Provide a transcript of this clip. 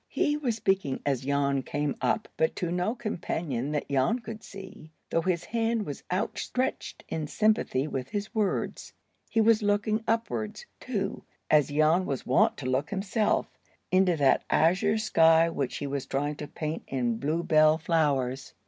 He was speaking as Jan came up, but to no companion that Jan could see, though his hand was outstretched in sympathy with his words. He was looking upwards, too, as Jan was wont to look himself, into that azure sky which he was trying to paint in bluebell flowers.